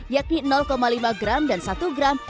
yakni lima gram dan satu gram